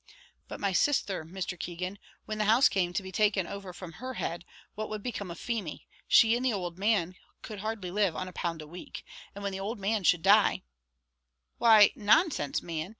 "But my sisther, Mr. Keegan; when the home came to be taken from over her head, what would become of Feemy? She and the owld man could hardly live on a pound a week. And when the owld man should die " "Why, nonsense, man!